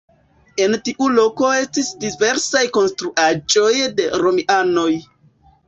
En tiu loko estis diversaj konstruaĵoj de romianoj.